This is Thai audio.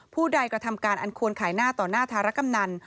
ผู้ใดกระทำการอันควรขายหน้าต่อหน้าธารกำนัน